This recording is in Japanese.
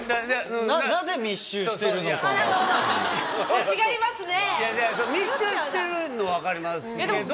密集してるの分かりますけど。